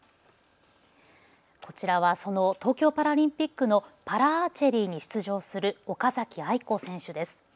こちらはその東京パラリンピックのパラアーチェリーに出場する岡崎愛子選手です。